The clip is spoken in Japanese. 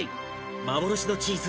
幻のチーズ